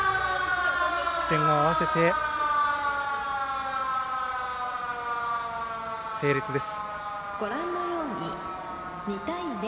視線を合わせて整列です。